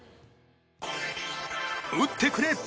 打ってくれ。